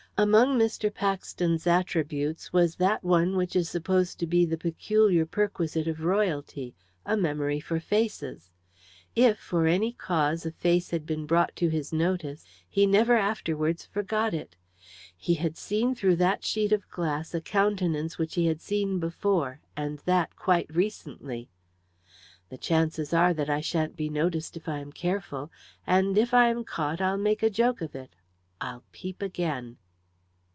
Among Mr. Paxton's attributes was that one which is supposed to be the peculiar perquisite of royalty a memory for faces. If, for any cause, a face had once been brought to his notice, he never afterwards forgot it. He had seen through that sheet of glass a countenance which he had seen before, and that quite recently. "The chances are that I sha'n't be noticed if I am careful; and if I am caught I'll make a joke of it. I'll peep again."